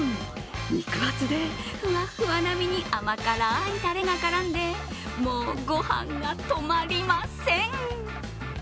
肉厚でふわふわな身に甘辛いたれが絡んで、もう、ごはんが止まりません。